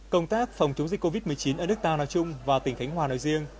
công tác phòng chống dịch covid một mươi chín ở nước ta nói chung và tỉnh khánh hòa nói riêng